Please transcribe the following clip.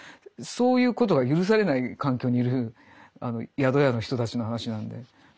そういうことが許されない環境にいる宿屋の人たちの話なんで。